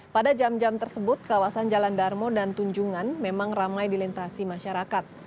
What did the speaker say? pada jam jam tersebut kawasan jalan darmo dan tunjungan memang ramai dilintasi masyarakat